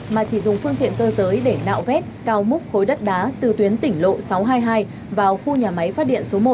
mà chỉ dùng phương tiện cơ giới để nạo vét cao múc khối đất đá từ tuyến tỉnh lộ sáu trăm hai mươi hai vào khu nhà máy phát điện số một